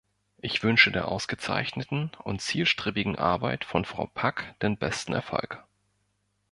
Ich wünsche der ausgezeichneten und zielstrebigen Arbeit von Frau Pack den besten Erfolg.